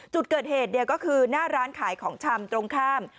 จุดเกิดเหตุก็คือหน้าร้านขายของชำตรงข้าม